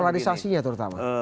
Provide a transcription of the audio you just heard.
polarisasi ya terutama